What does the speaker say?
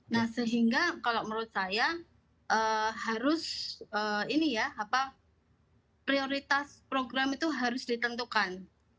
nah sehingga kalau menurut saya harus ini ya prioritas program itu harus ditentukan